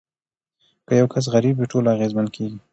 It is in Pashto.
که یو کس غریب وي ټول اغیزمن کیږي.